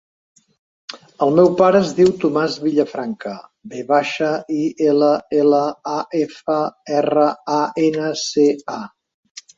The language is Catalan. El meu pare es diu Tomàs Villafranca: ve baixa, i, ela, ela, a, efa, erra, a, ena, ce, a.